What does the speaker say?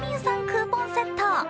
クーポンセット。